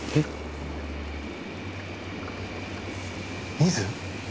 ミズ？